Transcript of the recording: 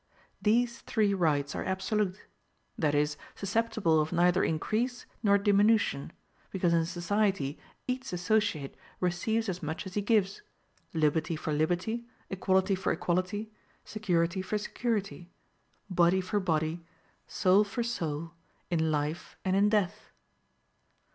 These three rights are absolute; that is, susceptible of neither increase nor diminution; because in society each associate receives as much as he gives, liberty for liberty, equality for equality, security for security, body for body, soul for soul, in life and in death.